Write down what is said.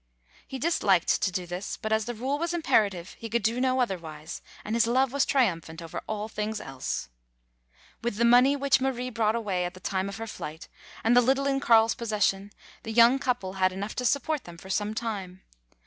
He disliked to do this, but as the rule was imperative he could do no otherwise, and his love was triumphant over all things else. With the money which Marie brought away at the time of her flight, and the little in Carl's pos session the young couple had enough to support them for some time.